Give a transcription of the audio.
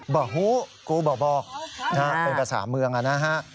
บะฮูกูบะบอกโอนกภาษาเมืองนะฮะ